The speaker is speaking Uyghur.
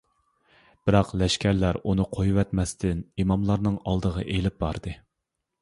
بىراق لەشكەرلەر ئۇنى قويۇۋەتمەستىن ئىماملارنىڭ ئالدىغا ئېلىپ باردى.